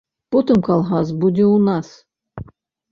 Потым калгас будзе ў нас.